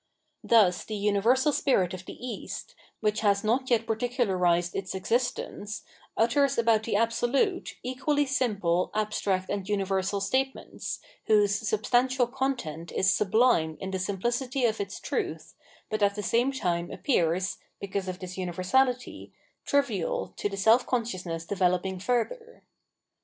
Thus the universal spirit of the Bast, which has not yet particularised its existence, utters about the Absolute equally simple, abstract, and universal statements, whose substantial content is sublime in the simplicity of its truth, but at the same time appears, because of this universahty, trivial to the seH consciousness developiag further.